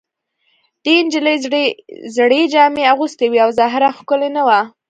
دې نجلۍ زړې جامې اغوستې وې او ظاهراً ښکلې نه وه